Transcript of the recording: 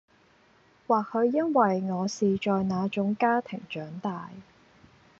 或許因為我是在那種家庭長大